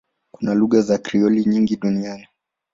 Kuna lugha za Krioli nyingi duniani.